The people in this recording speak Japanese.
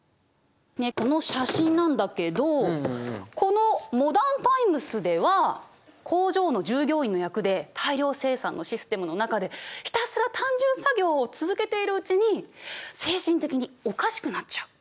この写真なんだけどこの「モダン・タイムス」では工場の従業員の役で大量生産のシステムの中でひたすら単純作業を続けているうちに精神的におかしくなっちゃう。